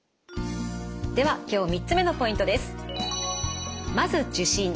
では今日３つ目のポイントです。